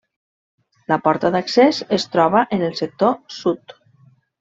La porta d'accés es troba en el sector sud.